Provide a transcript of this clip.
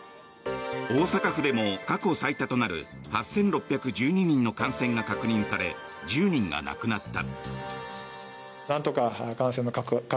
大阪府でも過去最多となる８６１２人の感染が確認され１０人が亡くなった。